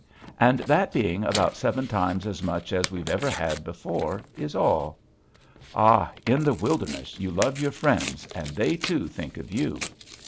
And that being about seven times as much as we've ever had before is all. Ah, in the wilderness you love your friends and they too think of you.